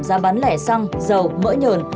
giá bán lẻ xăng dầu mỡ nhờn